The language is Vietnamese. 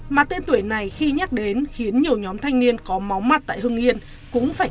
mà tên tuổi này khi nhắc đến khiến nhiều nhóm thanh niên có máu mặt tại hưng yên cũng phải